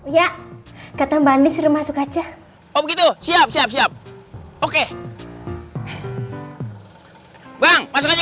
ya kata mbak andin suruh masuk aja oh begitu siap siap siap oke bang masuk aja bang